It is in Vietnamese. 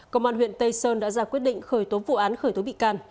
công an huyện tây sơn đã ra quyết định khởi tố vụ án khởi tố bị can